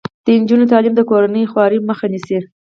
د نجونو تعلیم د کورنۍ خوارۍ مخه نیسي.